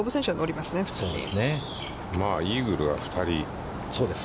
まあ、イーグルは２人。